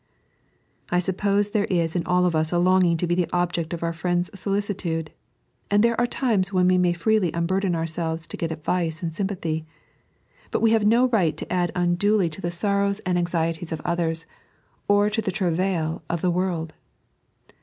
I suppose there is in all of us a longing to be the object of our friends' solicitude ; and there are timen when we may freely unburden ourselves to get advice and sympathy ; but we have no right to add unduly to the 3.n.iized by Google Pbesbnt Rbwabds. 109 and anxieties of others, or to the travail of th« world.